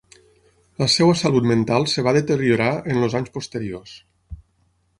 La seva salut mental es va deteriorar en els anys posteriors.